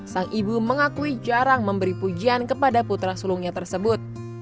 sang ibu mengakui jarang memberi pujian kepada putra sulungnya tersebut